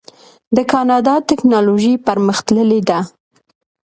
د کاناډا ټیکنالوژي پرمختللې ده.